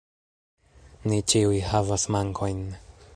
Ni ĉiuj havas mankojn.